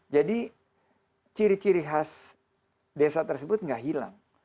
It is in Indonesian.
jadi ciri ciri khas desa tersebut tidak hilang